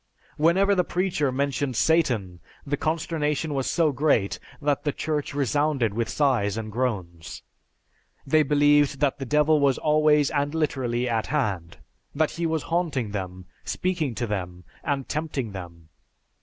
Whenever the preacher mentioned Satan, the consternation was so great that the church resounded with sighs and groans. They believed that the Devil was always and literally at hand; that he was haunting them, speaking to them, and tempting them.